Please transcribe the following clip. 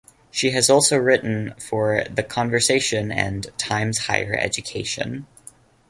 She has also written for The Conversation and Times Higher Education.